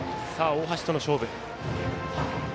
大橋との勝負。